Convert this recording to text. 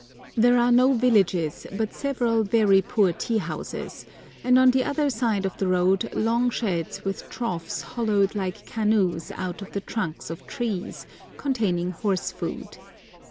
There are no villages, but several very poor tea houses, and on the other side of the road long sheds with troughs hollowed like canoes out of the trunks of trees, containing horse food.